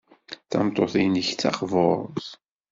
D tameṭṭut-nnek d taqburt.